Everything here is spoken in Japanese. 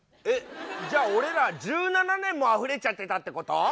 えじゃあ俺ら１７年もあふれちゃってたってこと？